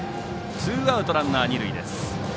ツーアウトランナー、二塁です。